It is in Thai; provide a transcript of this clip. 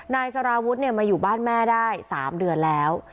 นายสารวุฒิมาอยู่บ้านแม่ได้๓เดือนแล้ว